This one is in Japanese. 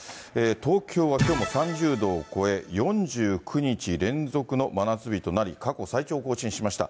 東京はきょうも３０度を超え、４９日連続の真夏日となり、過去最長を更新しました。